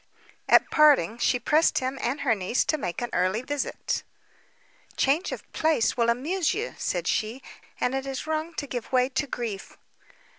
At parting she pressed him and her niece to make her an early visit. "Change of place will amuse you," said she, "and it is wrong to give way to grief."